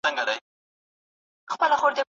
چې دا غرور یوازې ماته ماتیږي.